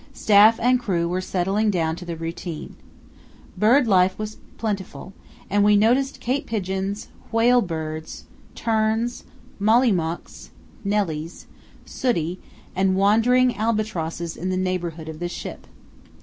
Staff and crew were settling down to the routine. Bird life was plentiful, and we noticed Cape pigeons, whale birds, terns, mollymauks, nellies, sooty, and wandering albatrosses in the neighbourhood of the ship.